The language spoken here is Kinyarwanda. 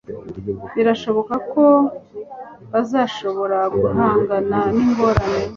birashoboka ko bazashobora guhangana ningorane